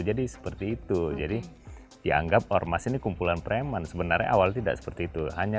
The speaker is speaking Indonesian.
jadi seperti itu jadi dianggap ormas ini kumpulan preman sebenarnya awal tidak seperti itu hanya